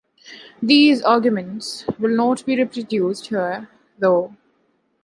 These arguments will not be reproduced here, though.